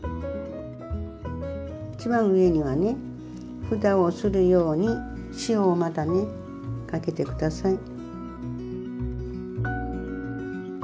一番上にはねふたをするように塩をまたねかけてください。